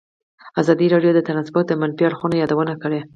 ازادي راډیو د ترانسپورټ د منفي اړخونو یادونه کړې.